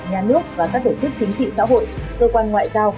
nhà nước và các tổ chức chính trị xã hội cơ quan ngoại giao